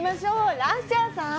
ラッシャーさん！